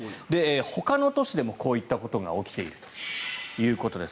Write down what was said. ほかの都市でもこういったことが起きているということです。